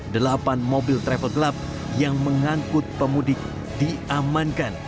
delapan mobil travel gelap yang mengangkut pemudik diamankan